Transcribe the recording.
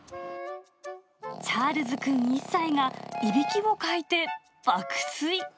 チャールズくん１歳が、いびきをかいて、爆睡。